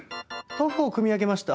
豆腐を汲み上げました。